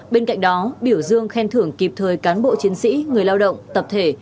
bên cạnh đó biểu dương khen thưởng kịp thời cán bộ chiến sĩ người lao động tập thể